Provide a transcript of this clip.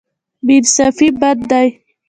بې انصافي بد دی.